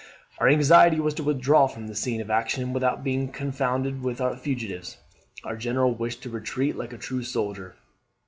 Our anxiety was to withdraw from the scene of action without being confounded with the fugitives. Our general wished to retreat like a true soldier.